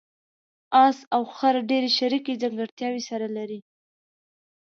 اس او خر ډېرې شریکې ځانګړتیاوې سره لري.